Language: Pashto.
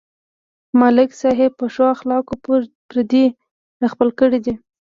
ملک صاحب په ښو اخلاقو پردي راخپل کړي دي.